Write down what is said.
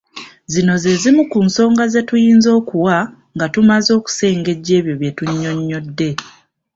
Zino ze zimu ku nsonga ze tuyinza okuwa nga tumaze okusengejja ebyo bye tunnyonnyodde.